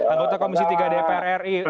anggota komisi tiga dpr ri